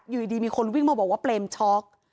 อยู่ดีมีคนวิ่งมาบอกว่าเปรมช็อก